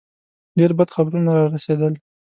ډېر بد خبرونه را رسېدل.